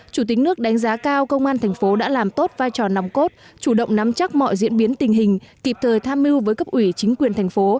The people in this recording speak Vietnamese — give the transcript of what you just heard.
chủ tịch nước đánh giá cao công an thành phố đã làm tốt vai trò nòng cốt chủ động nắm chắc mọi diễn biến tình hình kịp thời tham mưu với cấp ủy chính quyền thành phố